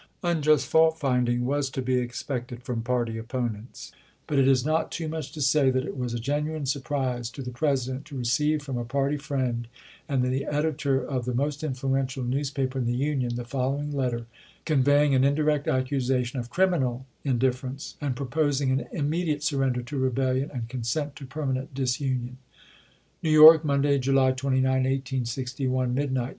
Unjust fault finding was to be expected from party opponents; but it is not too much to say that it was a genuine surprise to the President to receive from a party friend, and the editor of the most influential newspaper in the Union, the fol lowing letter, conveying an indirect accusation of criminal indifference, and proposing an immediate surrender to rebellion and consent to permanent disunion : New York, Monday, July 29, 1861. Midnight.